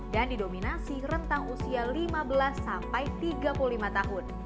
dan didominasi rentang usia lima belas sampai tiga puluh lima tahun